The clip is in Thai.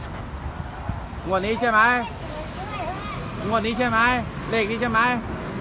สวัสดีครับวันนี้ใช่ไหมวันนี้ใช่ไหมเลขนี้ใช่ไหม